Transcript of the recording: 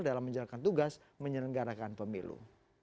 dalam menjalankan tugas menyelenggarakan pemilu